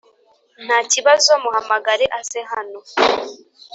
ntakibazo muhamagare aze hano.